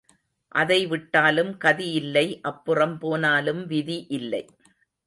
அதை விட்டாலும் கதி இல்லை அப்புறம் போனாலும் விதி இல்லை.